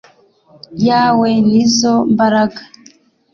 yawe nizo mbaraga